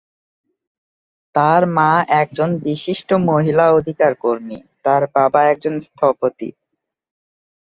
তার মা একজন বিশিষ্ট মহিলা অধিকার কর্মী, তার বাবা একজন স্থপতি।